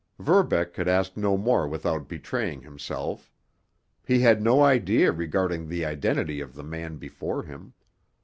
Verbeck could ask no more without betraying himself. He had no idea regarding the identity of the man before him.